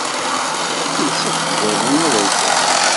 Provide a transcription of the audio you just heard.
Yelsa akebbuḍ-nni aberkan.